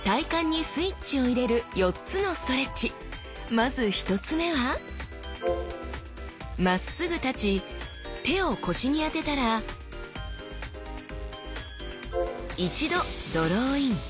まず１つ目はまっすぐ立ち手を腰に当てたら一度ドローイン。